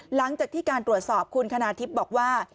หลังจากที่การตรวจสอบคุณคณาทิพย์บอกว่า